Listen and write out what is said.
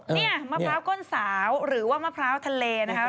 นี่มะพร้าวก้นสาวหรือว่ามะพร้าวทะเลนะคะ